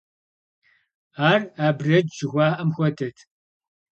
Ар абрэдж жыхуаӀэм хуэдэт.